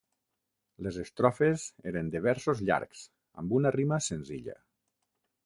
Les estrofes eren de versos llargs, amb una rima senzilla.